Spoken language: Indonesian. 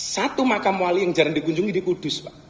satu makam wali yang jarang dikunjungi di kudus pak